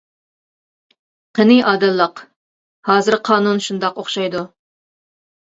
قېنى ئادىللىق. ھازىر قانۇن شۇنداق ئوخشايدۇ.